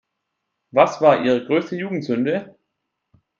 Was war Ihre größte Jugendsünde?